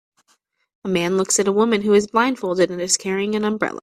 A man looks at a woman who is blindfolded and is carrying an umbrella.